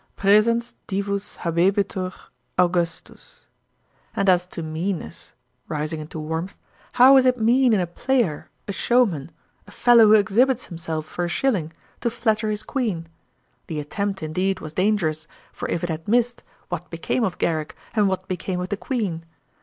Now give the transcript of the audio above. "Praesens Divus habebitur Augustus." And as to meanness, (rising into warmth,) how is it mean in a player, a showman, a fellow who exhibits himself for a shilling, to flatter his Queen? The attempt, indeed, was dangerous; for if it had missed, what became of Garrick, and what became of the Queen?